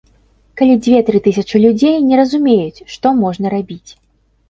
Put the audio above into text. Калі дзве-тры тысячы людзей не разумеюць, што можна рабіць.